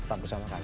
tetap bersama kami